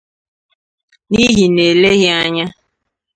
n'ihi na eleghị anya